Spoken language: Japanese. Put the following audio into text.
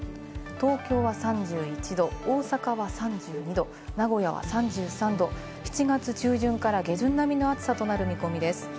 東京は３１度、大阪は３２度、名古屋は３３度、７月中旬から下旬並みの暑さとなる見込みです。